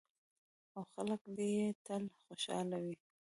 او خلک دې یې تل خوشحاله وي.